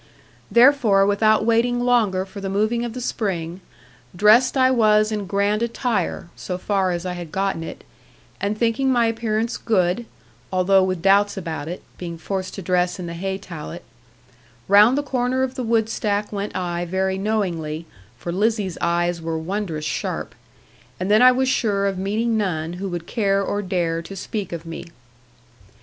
Therefore, without waiting longer for the moving of the spring, dressed I was in grand attire (so far as I had gotten it), and thinking my appearance good, although with doubts about it (being forced to dress in the hay tallat), round the corner of the wood stack went I very knowingly for Lizzie's eyes were wondrous sharp and then I was sure of meeting none who would care or dare to speak of me.